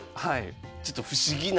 ちょっと不思議な。